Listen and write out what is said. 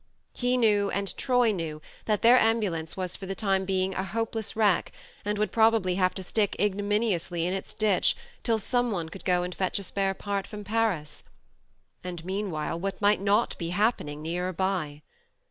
He knew, and Troy knew, that their ambulance was for the time being a hopeless wreck, and would probably have to stick ignominiously in its ditch till some one could go and fetch a spare part from Paris. And meanwhile, what might not be happening nearer by